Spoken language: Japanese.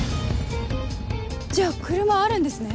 じゃあ車あるんですね？